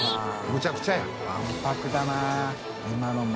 むちゃくちゃやん。